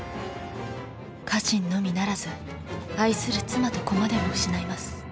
家臣のみならず愛する妻と子までも失います。